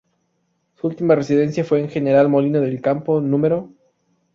Su última residencia fue en General Molino del Campo No.